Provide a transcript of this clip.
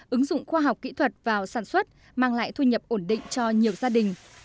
ứng dụng khoa học kỹ thuật vào sản xuất mang lại thu nhập ổn định cho nhiều gia đình